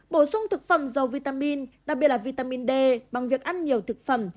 bổ sung thực phẩm dầu vitamin đặc biệt là vitamin d bằng việc ăn nhiều thực phẩm